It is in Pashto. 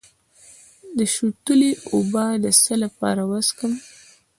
د شوتلې اوبه د څه لپاره وڅښم؟